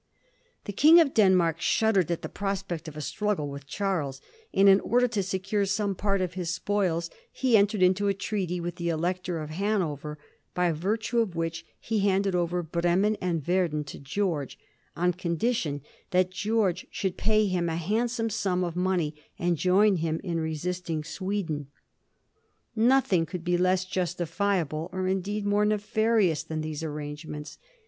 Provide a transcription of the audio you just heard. The King of Denmai'k shuddered at the prospect of a struggle with Charles, and in order to secure some part of his spoils he entered into a treaty with the Elector of Hanover, by virtue of which he handed over Bremen and Verden to George, on con dition that Greorge should pay him a handsome sura of money, and join him in resisting Sweden. Nothing could be less justifiable, or indeed more nefarious, than these arrangements.